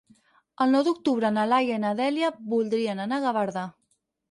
El nou d'octubre na Laia i na Dèlia voldrien anar a Gavarda.